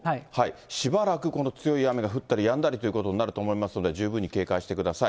しばらくこの強い雨が降ったりやんだりということになると思いますので、十分に警戒してください。